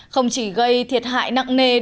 không chỉ gây thiệt hại nặng nề